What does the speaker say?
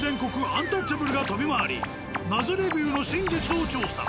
アンタッチャブルが飛び回り謎レビューの真実を調査。